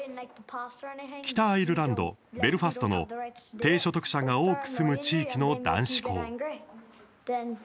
北アイルランド・ベルファストの低所得者が多く住む地域の男子校。